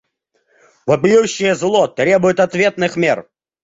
Вопиющее зло требует ответных мер.